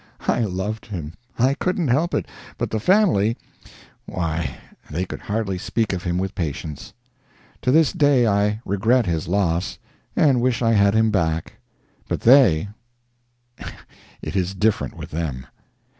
I loved him; I couldn't help it; but the family why, they could hardly speak of him with patience. To this day I regret his loss, and wish I had him back; but they it is different with them.